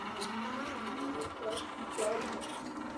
El líder no es alguien fijo, más bien varía según el tema.